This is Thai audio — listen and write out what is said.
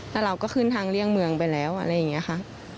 แล้วเราก็ขึ้นทางเลี่ยงเมืองไปแล้วอะไรอย่างนี้ค่ะ